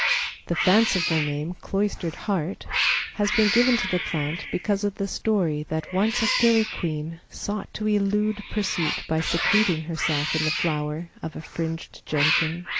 The fanciful name, Cloistered Heart, has been given to the plant because of the story that once a fairy queen sought to elude pursuit by secreting herself in the flower of a fringed Gentian.